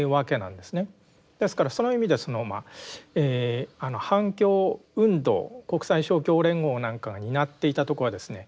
ですからその意味では反共運動国際勝共連合なんかが担っていたとこはですね